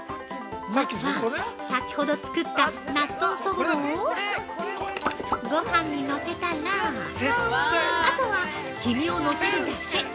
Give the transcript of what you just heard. まずは、さきほど作ったなっ豚そぼろをご飯にのせたらあとは黄身をのせるだけ。